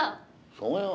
そうよ。